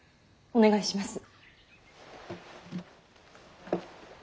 お願いします。